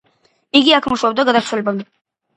იგი აქ მუშაობდა გარდაცვალებამდე.